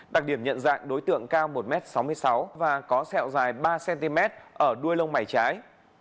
đặc điểm nhận dạng đối tượng cao một m sáu mươi sáu và có sẹo dài ba cm ở đuôi lông mày trái